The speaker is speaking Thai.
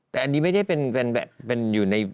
แต่อันนี้ไม่ได้เป็นอยู่ใน